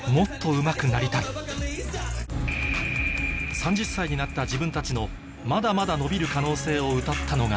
３０歳になった自分たちのまだまだ伸びる可能性を歌ったのが